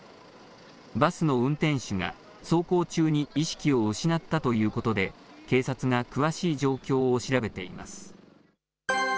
バスの運転手が走行中に意識を失ったということで、警察が詳しい状況を調べています。